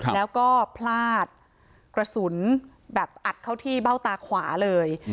แล้วก็พลาดกระสุนแบบอัดเข้าที่เบ้าตาขวาเลย